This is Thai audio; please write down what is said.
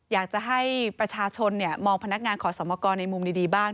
อยากจะให้ประชาชนมองพนักงานขอสมกรในมุมดีบ้าง